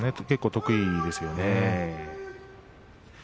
結構得意ですよね。